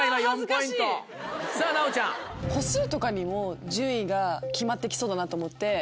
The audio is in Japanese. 個数とかにも順位が決まって来そうだなと思って。